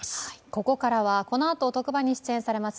ここからはこのあと特番に出演されます